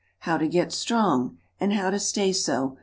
How to Get Strong, And How to Stay So.